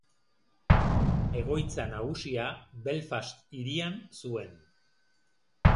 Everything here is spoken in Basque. Egoitza nagusia Belfast hirian zuen.